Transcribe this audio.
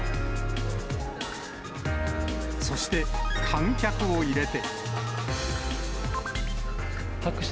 そして、観客を入れて。